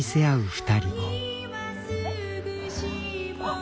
あ。